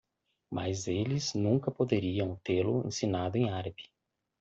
Mas eles nunca poderiam tê-lo ensinado em árabe.